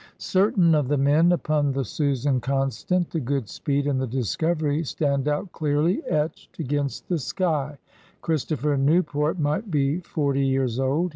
Certain of the men upon the Susan Constant^ the Goodspeedy and the Discovery stand out clearly, etched against the sky. Christopher Newport might be forty years old.